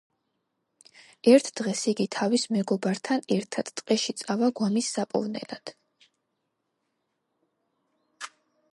ერთ დღეს იგი თავის მეგობართან ერთად ტყეში წავა გვამის საპოვნელად.